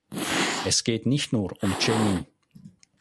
Es geht nicht nur um Dschenin.